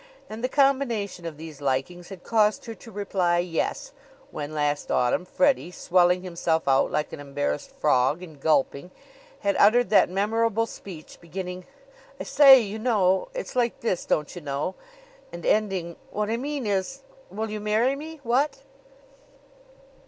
And the combination of these likings had caused her to reply "Yes" when, last Autumn, Freddie, swelling himself out like an embarrassed frog and gulping, had uttered that memorable speech beginning, "I say, you know, it's like this, don't you know!" and ending, "What I mean is, will you marry me what?"